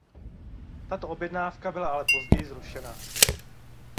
Tato objednávka byla ale později zrušena.